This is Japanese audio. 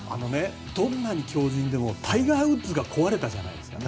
どんなに強じんでもタイガー・ウッズが壊れたじゃないですか。